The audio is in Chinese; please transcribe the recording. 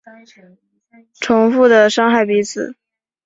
重复的伤害彼此